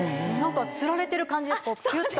つられてる感じですピュっと。